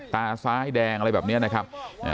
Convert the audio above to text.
ตาซ้ายแดงอะไรแบบนี้นะครับ